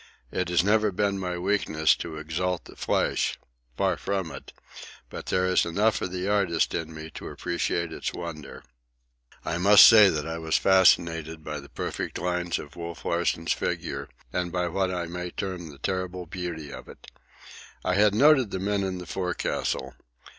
It has never been my weakness to exalt the flesh—far from it; but there is enough of the artist in me to appreciate its wonder. I must say that I was fascinated by the perfect lines of Wolf Larsen's figure, and by what I may term the terrible beauty of it. I had noted the men in the forecastle.